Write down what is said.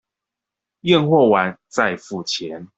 驗貨完再付錢